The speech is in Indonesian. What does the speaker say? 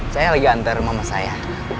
saya lagi antar rumah mas saya